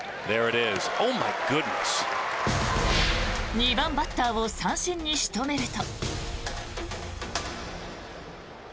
２番バッターを三振に仕留めると。